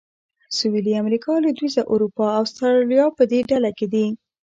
سویلي امریکا، لوېدیځه اروپا او اسټرالیا په دې ډله کې دي.